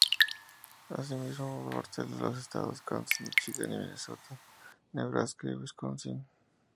Asimismo, por partes de los estados de Kansas; Míchigan, Minnesota, Nebraska y Wisconsin.